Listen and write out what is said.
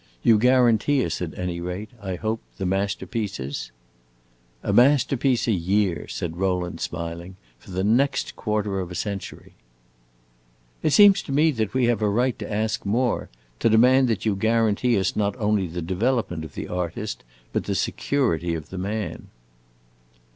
You guarantee us at any rate, I hope, the masterpieces." "A masterpiece a year," said Rowland smiling, "for the next quarter of a century." "It seems to me that we have a right to ask more: to demand that you guarantee us not only the development of the artist, but the security of the man."